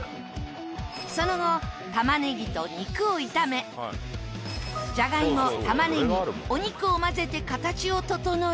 その後玉ねぎと肉を炒めじゃがいも玉ねぎお肉を混ぜて形を整え。